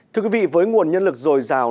thưa quý vị với nguồn nhân lực dồi dào